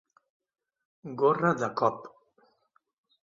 Gorra de cop.